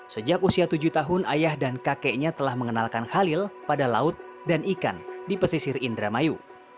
sejak usia tujuh tahun ayah dan kakeknya telah mengenalkan khalil pada laut dan ikan di pesisir indramayu